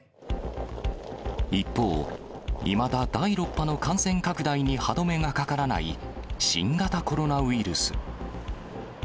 一方、いまだ第６波の感染拡大に歯止めがかからない新型コロナウイルス。